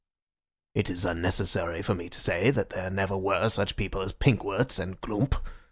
It is unnecessary for me to say that there never were such people as Pinckwerts and Glumpe.